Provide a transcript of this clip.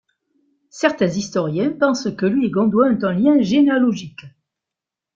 Certains historiens pensent que lui et Gondoin ont un lien généalogique.